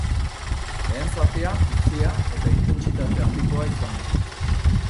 Lehen zatia bizia eta intentsitate handikoa izan da.